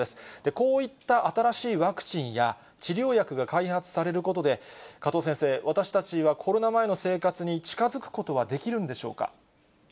こういった新しいワクチンや治療薬が開発されることで、加藤先生、私たちはコロナ前の生活に近づくことはできるんでしょうか。